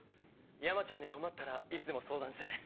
山ちゃんに困ったら、いつでも相談してね。